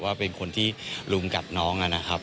ว่าเป็นคนที่ลุมกัดน้องนะครับ